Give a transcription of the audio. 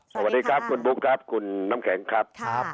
สวัสดีครับคุณบุ๊คครับคุณน้ำแข็งครับ